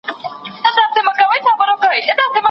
که مي ازل ستا پر لمنه سجدې کښلي نه وې